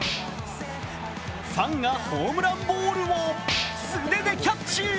ファンがホームランボールを素手でキャッチ。